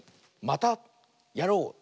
「またやろう！」。